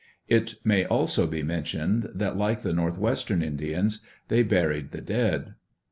It may also be mentioned that like the northwestern Indians they buried the dead.